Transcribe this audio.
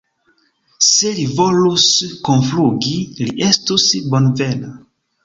Se li volus kunflugi, li estus bonvena.